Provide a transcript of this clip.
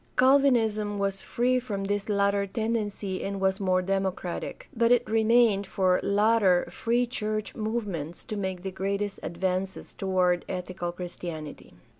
Calvinism was free from this latter tendency and was more democratic; but it remained for later Free church movements to make the greatest advances toward ethical Christianity.